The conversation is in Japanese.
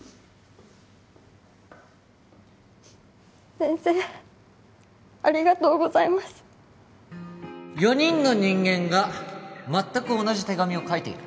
先生ありがとうございます４人の人間が全く同じ手紙を書いている